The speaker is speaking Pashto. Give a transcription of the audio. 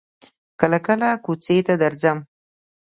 کله کله کوڅې ته درځم.